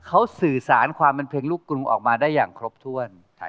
เขาสื่อสารความเป็นเพลงลูกกรุงออกมาได้อย่างครบถ้วน